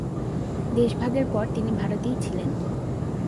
দেশভাগের পর তিনি ভারতেই ছিলেন।